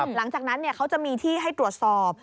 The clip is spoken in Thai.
หลังจากนั้นเขาจะมีที่ให้ตรวจสอบ